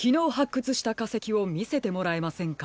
くつしたかせきをみせてもらえませんか？